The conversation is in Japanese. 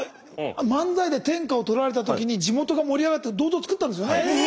漫才で天下を取られた時に地元が盛り上がって銅像作ったんですよね。